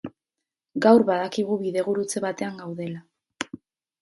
Gaur badakigu bidegurutze batean gaudela.